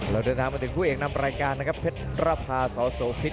เราเดินทางมาถึงคู่เอกนำรายการนะครับเพชรระพาสโสพิษ